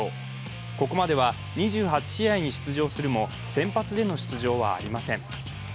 ここまでは２８試合に出場するも先発での出場はありません。